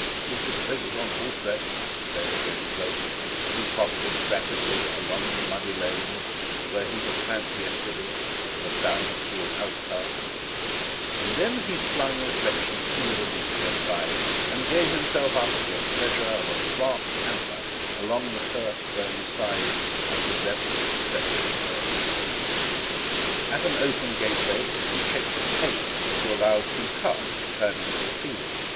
"Talk of beggars on horseback," thought Stoner to himself, as he trotted rapidly along the muddy lanes where he had tramped yesterday as a down at heel outcast; and then he flung reflection indolently aside and gave himself up to the pleasure of a smart canter along the turf grown side of a level stretch of road. At an open gateway he checked his pace to allow two carts to turn into a field.